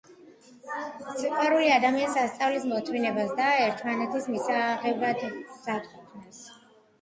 სიყვარული ადამიანს ასწავლის მოთმინებას და ერთმანეთის მისაღებად მზადყოფნას.